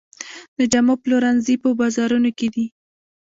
د جامو پلورنځي په بازارونو کې دي